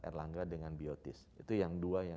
erlangga dengan biotis itu yang dua yang